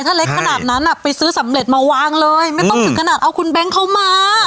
ถ้าเล็กขนาดนั้นอ่ะไปซื้อสำเร็จมาวางเลยไม่ต้องถึงขนาดเอาคุณแบงค์เขามา